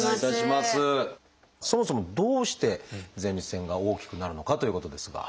そもそもどうして前立腺が大きくなるのかということですが。